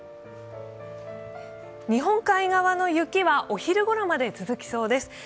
日本海側の雪はお昼ごろまで続きそうです。